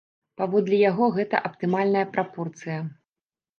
Паводле яго, гэта аптымальная прапорцыя.